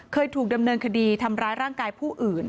เคยถูกดำเนินคดีทำร้ายร่างกายผู้อื่น